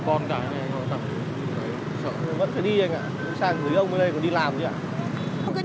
công trình làm lâu lắm rồi